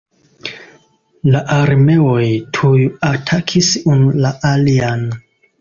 La armeoj tuj atakis unu la alian.